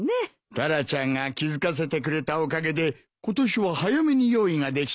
タラちゃんが気付かせてくれたおかげで今年は早めに用意ができそうだよ。